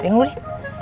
tengok dulu deh